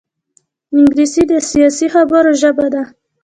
انګلیسي د سیاسي خبرو ژبه ده